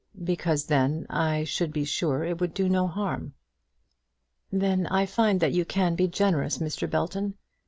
"Because then I should be sure it would do no harm." "Then I find that you can be generous, Mr. Belton.